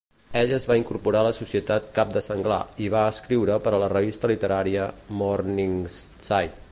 Ell es va incorporar a la societat cap de senglar i va escriure per a la revista literària "Morningside".